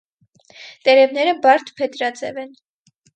Տերևները բարդ փետրաձև են։